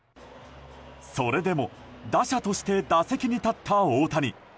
それでも打者として打席に立った大谷。